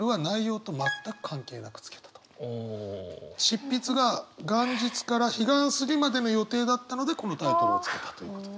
執筆が元日から彼岸過ぎまでの予定だったのでこのタイトルをつけたということで。